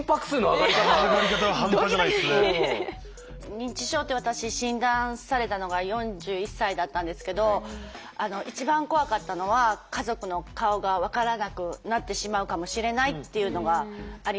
認知症って私診断されたのが４１歳だったんですけど一番怖かったのは家族の顔が分からなくなってしまうかもしれないっていうのがあります。